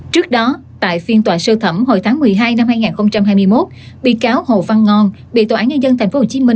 trước đó tại phiên tòa sơ thẩm hồi tháng một mươi hai năm hai nghìn hai mươi một bị cáo hồ văn ngon bị tòa án nhân dân tp hcm